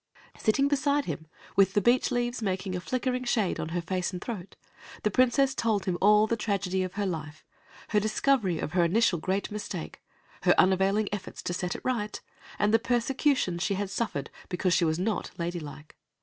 Sitting beside him, with the beech leaves making a flickering shade on her face and throat, the Princess told him all the tragedy of her life, her discovery of her initial great mistake, her unavailing efforts to set it right, and the persecutions she had suffered because she was not ladylike.